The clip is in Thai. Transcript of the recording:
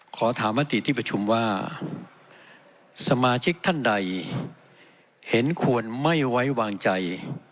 ขอถามมติที่ประชุมว่าสมาชิกท่านใดเห็นควรไม่ไว้วางใจ